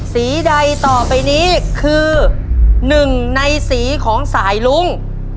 สีใดต่อไปนี้คือหนึ่งในสีของสายลุ้ง